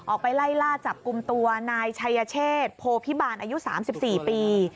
ไปไล่ล่าจับกลุ่มตัวนายชัยเชษโพพิบาลอายุ๓๔ปี